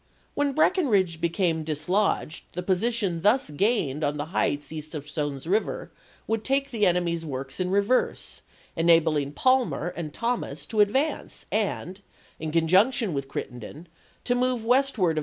When Breckinridge became dislodged, the posi tions thus gained on the heights east of Stone's River would take the enemy's works in reverse, enabling Palmer and Thomas to advance and, in conjunction with Crittenden, to move westward of Cii.